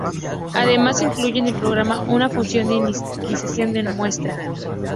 Además, incluye en el programa una función de inicialización de muestra.